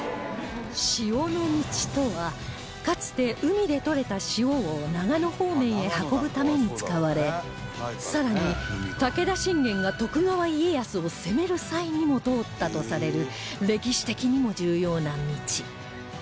塩の道とはかつて海でとれた塩を長野方面へ運ぶために使われ更に武田信玄が徳川家康を攻める際にも通ったとされる歴史的にも重要な道